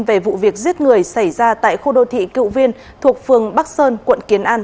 về vụ việc giết người xảy ra tại khu đô thị cựu viên thuộc phường bắc sơn quận kiến an